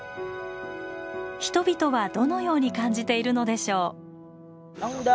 人々はどのように感じているのでしょう。